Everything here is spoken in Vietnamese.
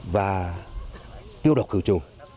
và tiêu độc cửu trùng